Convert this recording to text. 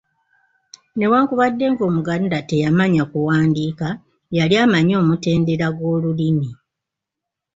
Newankubadde ng’Omuganda teyamanya kuwandiika yali amanyi omutendera gw’olulimi